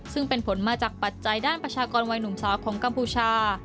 ซึ่งเป็นผลมาจากปัจจัยด้านประชากรวัยหนุ่มสาวของกัมพูชา